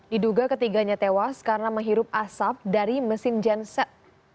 diduga ketiganya tewas karena menghirup asap dari mesin genset